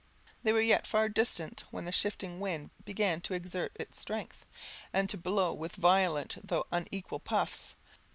They were yet far distant when the shifting wind began to exert its strength, and to blow with violent though unequal puffs.